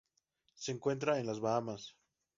Se encuentra en las Bahamas.